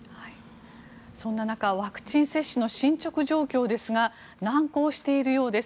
そんな中ワクチン接種の進捗状況ですが難航しているようです。